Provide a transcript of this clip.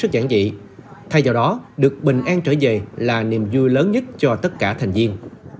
giản dị thay vào đó được bình an trở về là niềm vui lớn nhất cho tất cả thành viên